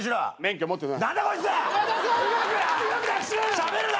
しゃべるな！